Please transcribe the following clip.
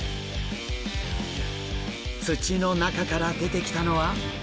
土の中から出てきたのは。